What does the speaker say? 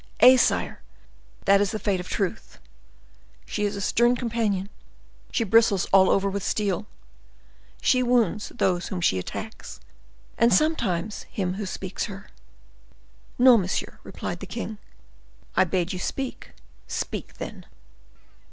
"Eh! sire, that is the fate of truth; she is a stern companion; she bristles all over with steel; she wounds those whom she attacks, and sometimes him who speaks her." "No, monsieur," replied the king: "I bade you speak—speak then."